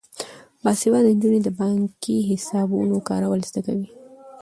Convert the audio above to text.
باسواده نجونې د بانکي حسابونو کارول زده کوي.